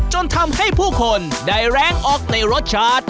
จนทำให้ผู้คนได้แรงออกในรสชาติ